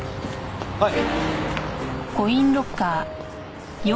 はい。